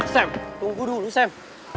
sam tunggu dulu sam